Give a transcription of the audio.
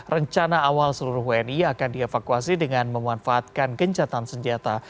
rencana awal seluruh wni akan dievakuasi dengan memanfaatkan gencatan senjata